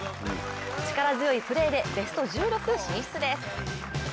力強いプレーでベスト１６進出です。